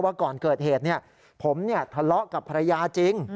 ก่อนเกิดเหตุผมทะเลาะกับภรรยาจริง